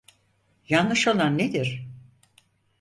Yanlış olan nedir?